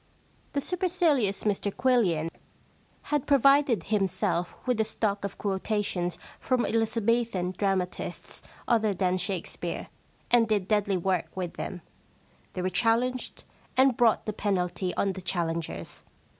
The supercilious Mr Quillian had provided himself with a stock of quotations from Eliza bethan dramatists other than Shakespeare, and did deadly work with them. They were challenged, and brought the penalty on the challengers.